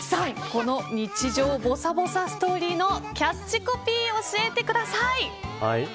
この日常ぼさぼさストーリーのキャッチコピーを教えてください。